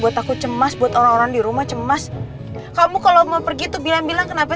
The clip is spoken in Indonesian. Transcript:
buat aku cemas buat orang orang di rumah cemas kamu kalau mau pergi tuh bilang bilang kenapa